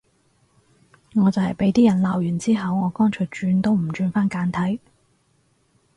我就係畀啲人鬧完之後，我乾脆轉都唔轉返簡體